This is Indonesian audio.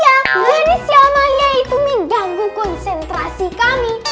jadi si amalia itu mengganggu konsentrasi kami